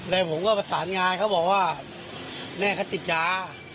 แล้วผมก็ประสานงานเขาบอกว่าแม่เขาติดยา